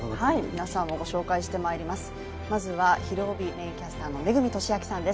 皆さんをご紹介してまいります。